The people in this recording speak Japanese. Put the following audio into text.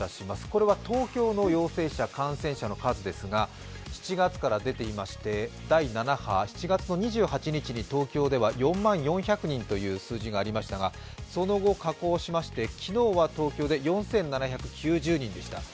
これは東京の陽性者、感染者の数ですが、７月から出ていまして、第７波、７月２８日に東京では４万４００人という数字がありましたがその後、下降しまして昨日は４７９０人でした。